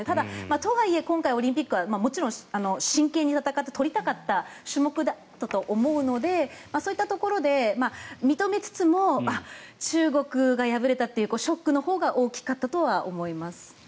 とはいえ、今回オリンピックはもちろん真剣に戦って取りたかった種目ではあったと思うのでそういったところで認めつつも中国が敗れたというショックのほうが大きかったとは思います。